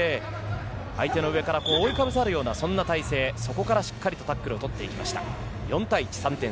相手の上から覆いかぶさるような体勢、そこからしっかり体勢を取っていきました。